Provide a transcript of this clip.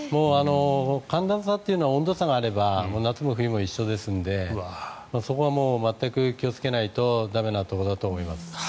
寒暖差というのは温度差があれば夏も冬も一緒ですのでそこは全く気をつけないと駄目なところだと思います。